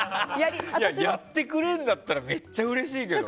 やってくれるんだったらめっちゃうれしいけどね。